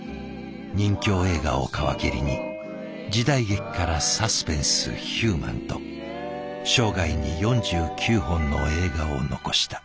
仁侠映画を皮切りに時代劇からサスペンスヒューマンと生涯に４９本の映画を残した。